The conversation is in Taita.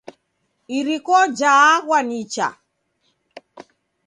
Iriko jaaghwa nicha.